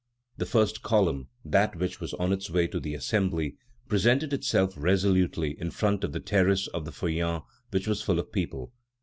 The first column, that which was on its way to the Assembly, presented itself resolutely in front of the terrace of the Feuillants, which was full of people.